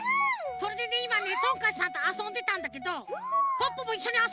それでねいまねトンカチさんとあそんでたんだけどポッポもいっしょにあそぼう！